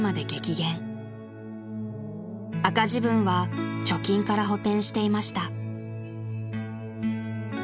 ［赤字分は貯金から補てんしていました］